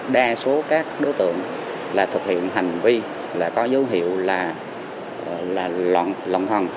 đa số các đối tượng thực hiện hành vi có dấu hiệu là lòng thần